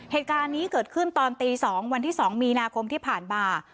เหตุการณ์นี้เกิดขึ้นตอนตี๒วันที่๒มีนาคมที่ผ่านมา